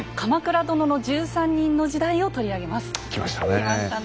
きましたね。